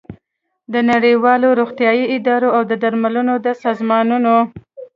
د نړیوالو روغتیايي ادارو او د درملو د سازمانونو